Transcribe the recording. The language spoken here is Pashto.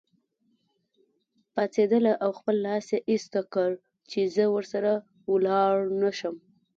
پاڅېدله او خپل لاس یې ایسته کړ چې زه ورسره ولاړ نه شم.